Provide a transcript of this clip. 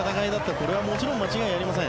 これはもちろん間違いありません。